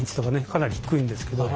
かなり低いんですけど。